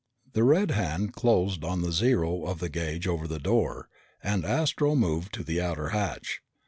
The red hand closed on the zero of the gauge over the door and Astro moved to the outer hatch.